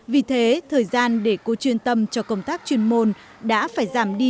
vì thế thời gian để cô chuyên tâm cho công tác chuyên môn đã phải giảm đi